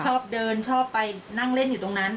ชอบเดินชอบไปนั่งเล่นอยู่ตรงนั้น